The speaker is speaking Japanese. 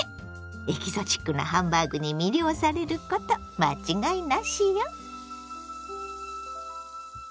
エキゾチックなハンバーグに魅了されること間違いなしよ。